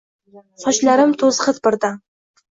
Sochlarim to’zg’it bir dam